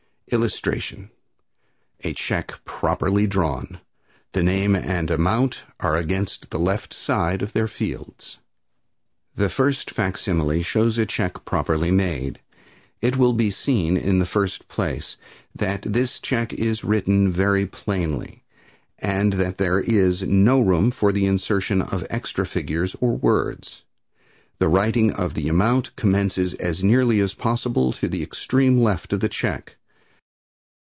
[Illustration: A Check Properly Drawn. The name and amount are against the left side of their fields.] The first facsimile shows a check properly made. It will be seen, in the first place, that this check is written very plainly, and that there is no room for the insertion of extra figures or words. The writing of the amount commences as nearly as possible to the extreme left of the check.